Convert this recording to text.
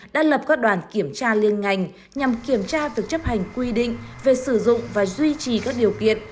đã lập các đoàn kiểm tra liên ngành nhằm kiểm tra việc chấp hành quy định về sử dụng và duy trì các điều kiện